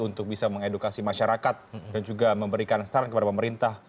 untuk bisa mengedukasi masyarakat dan juga memberikan saran kepada pemerintah